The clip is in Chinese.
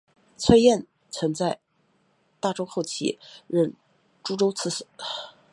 崔彦曾在大中后期任诸州刺史。